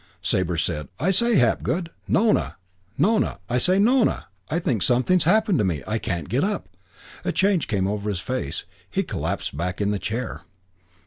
Sabre said, "I say, Hapgood Nona Nona! I say, Nona, I think something's happened to me. I can't get up." A change came over his face. He collapsed back in the chair.